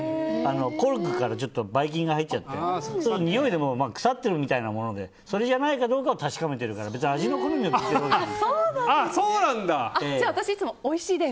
コルクからばい菌が入っちゃってにおいで腐ってるみたいなものでそれじゃないかどうかを確かめてるから味の好みを言ってるわけじゃないの。